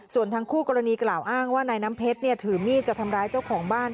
ส่วนทางคู่กรณีกล่าวอ้างว่านายน้ำเพชรถือมีดจะทำร้ายเจ้าของบ้าน